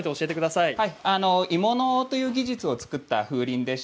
鋳物という技術を使った風鈴です。